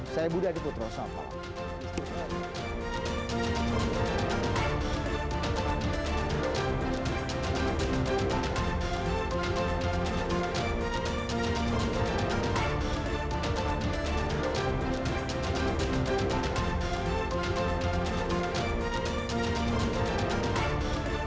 saya budi adiputro sampal